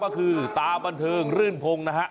ก็คือตาบันเทิงรื่นพงศ์นะฮะ